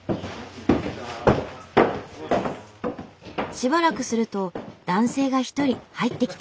しばらくすると男性が一人入ってきた。